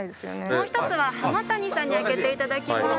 もう一つは浜谷さんに開けて頂きます。